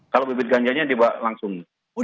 kalau bibit ganjanya dibawa langsung hand carry